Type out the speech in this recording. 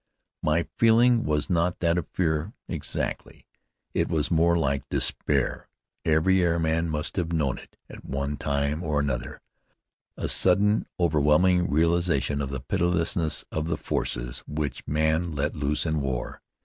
My feeling was not that of fear, exactly. It was more like despair. Every airman must have known it at one time or another, a sudden overwhelming realization of the pitilessness of the forces which men let loose in war.